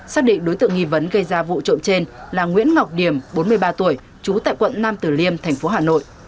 xác định đối tượng nghi vấn gây ra vụ trộm trên là nguyễn ngọc điểm bốn mươi ba tuổi chú tại quận nam tử liêm tp hà nội